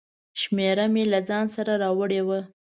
شمېره مې له ځانه سره راوړې وه.